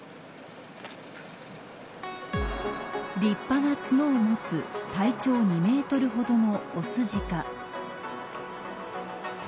立派な角を持つ体長２メートルほどの雄ジカ。